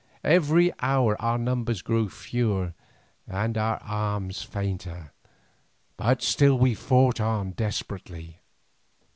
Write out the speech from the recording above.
Every hour our numbers grew fewer and our arms fainter, but still we fought on desperately.